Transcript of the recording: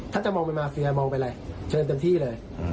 ถ้าจะมองเป็นมาเฟียมองเป็นอะไรเชิญเต็มที่เลย